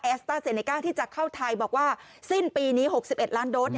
สต้าเซเนก้าที่จะเข้าไทยบอกว่าสิ้นปีนี้๖๑ล้านโดส